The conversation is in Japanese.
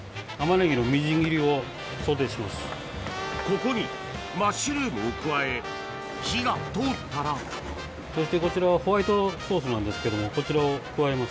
ここにマッシュルームを加え火が通ったらそしてこちらはホワイトソースなんですけども。